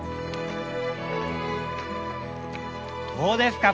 どうですか？